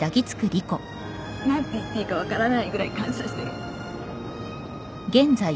何て言っていいか分からないぐらい感謝してる。